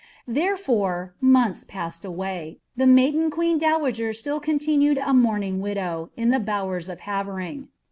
I'herefore, uionihs jHtmed away, and the maiden queen dowager atill continued u inuuming widow, in the bowers of Havering.